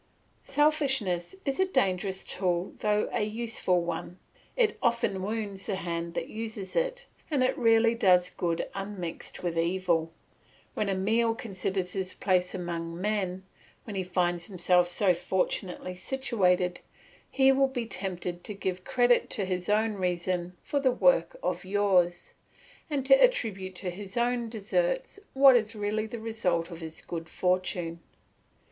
Selfishness is a dangerous tool though a useful one; it often wounds the hand that uses it, and it rarely does good unmixed with evil. When Emile considers his place among men, when he finds himself so fortunately situated, he will be tempted to give credit to his own reason for the work of yours, and to attribute to his own deserts what is really the result of his good fortune.